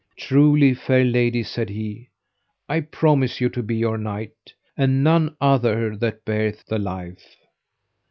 Truly, fair lady, said he, I promise you to be your knight, and none other that beareth the life.